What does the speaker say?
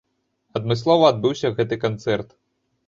Адмыслова адбыўся гэты канцэрт.